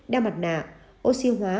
đeo mặt nạ oxy hóa